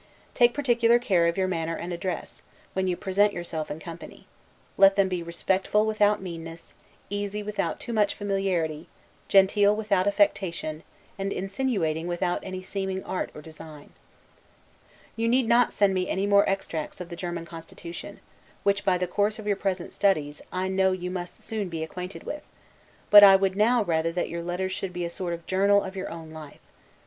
Take particular care of your manner and address, when you present yourself in company. Let them be respectful without meanness, easy without too much familiarity, genteel without affectation, and insinuating without any seeming art or design. You need not send me any more extracts of the German constitution; which, by the course of your present studies, I know you must soon be acquainted with; but I would now rather that your letters should be a sort of journal of your own life.